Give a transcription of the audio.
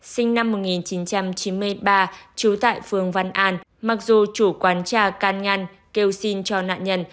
sinh năm một nghìn chín trăm chín mươi ba trú tại phường văn an mặc dù chủ quán cha can ngăn kêu xin cho nạn nhân